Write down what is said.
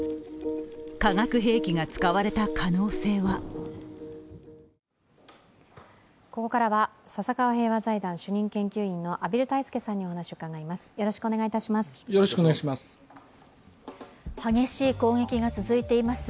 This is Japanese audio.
化学兵器が使われた可能性はここからは笹川平和財団主任研究員の畔蒜泰助さんにお話を伺います。